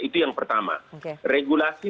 itu yang pertama regulasi